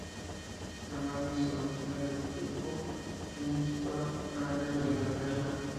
Fernandes invirtió en el equipo Queens Park Rangers de Inglaterra.